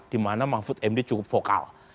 dimana mahfud md cukup vokal